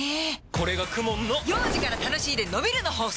これがＫＵＭＯＮの幼児から楽しいでのびるの法則！